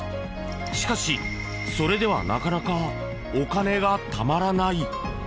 しかし、それではなかなかお金がたまらない。